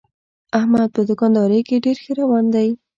احمد په دوکاندارۍ کې ډېر ښه روان دی.